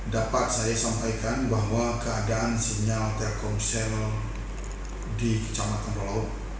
dapat saya sampaikan bahwa keadaan sinyal telkomsel di kecamatan laut